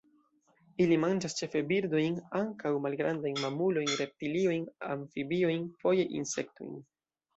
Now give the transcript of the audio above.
Ili manĝas ĉefe birdojn; ankaŭ malgrandajn mamulojn, reptiliojn, amfibiojn; foje insektojn.